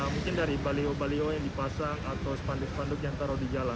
mungkin dari baliho baliho yang dipasang atau spanduk spanduk yang taruh di jalan